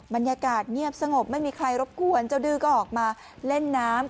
บรรยากาศเงียบสงบไม่มีใครรบกวนเจ้าดื้อก็ออกมาเล่นน้ำ